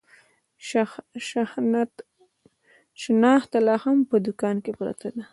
شنخته لا هم په دوکان کې پرته ده.